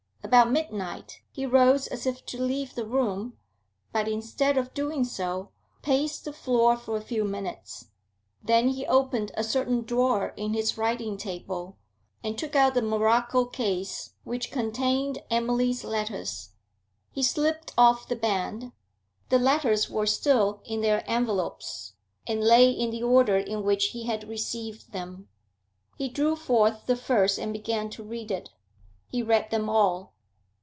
About midnight he rose as if to leave the room, but, instead of doing so, paced the floor for a few minutes; then he opened a certain drawer in his writing table, and took out the morocco case which contained Emily's letters. He slipped off the band. The letters were still in their envelopes, and lay in the order in which he had received them. He drew forth the first and began to read it. He read them all.